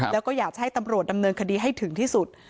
แล้วก็อยากจะให้ตำรวจดำเนินคดีให้ถึงที่สุด